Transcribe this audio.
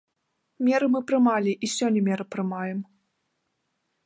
Меры мы прымалі і сёння меры прымаем.